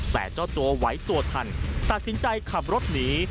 แต่เจ้าตัวไหวตัวทันตัดสินใจขับรถหนี